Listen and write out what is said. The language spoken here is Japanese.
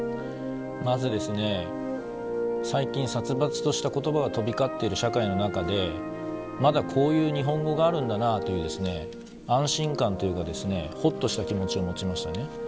まず最近、殺伐とした言葉が飛び交っている社会の中でまだこういう日本語があるんだなという安心感というかほっとした気持ちを持ちましたね。